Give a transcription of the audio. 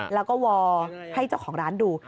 แล้วก็วอลให้เจ้าของร้านดู